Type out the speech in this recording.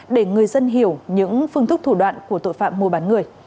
để người dân hiểu những phương thức thủ đoạn của tội phạm mua bán người